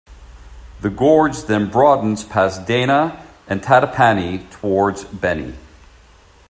The gorge then broadens past Dana and Tatopani toward Beni.